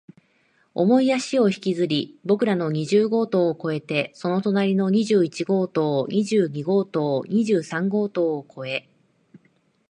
重い足を引きずり、僕らの二十号棟を越えて、その隣の二十一号棟、二十二号棟、二十三号棟を越え、